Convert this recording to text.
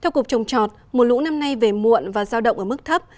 theo cục trồng trọt mùa lũ năm nay về muộn và giao động ở mức thấp